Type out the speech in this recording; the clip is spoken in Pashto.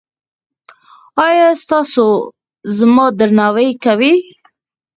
ایا تاسو زما درناوی کوئ؟